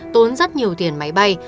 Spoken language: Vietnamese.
tốn rất nhiều tiền máy bay